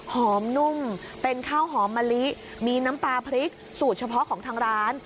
นุ่มเป็นข้าวหอมมะลิมีน้ำปลาพริกสูตรเฉพาะของทางร้าน